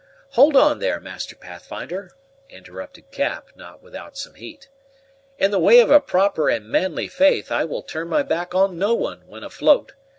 "Hold on there, Master Pathfinder," interrupted Cap, not without some heat; "in the way of a proper and manly faith, I will turn my back on no one, when afloat.